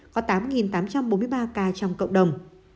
có tám tám trăm bốn mươi ba ca trong cộng đồng